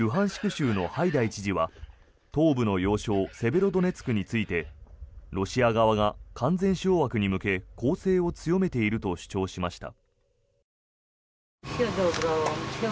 州のハイダイ知事は東部の要衝セベロドネツクについてロシア側が完全掌握に向け攻勢を強めていると主張しました。